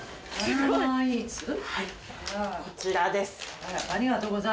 はいこちらです。